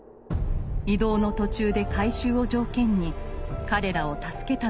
移動の途中で改宗を条件に彼らを助けたのでした。